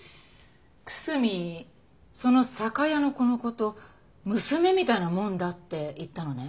楠見その酒屋の子の事娘みたいなもんだって言ったのね？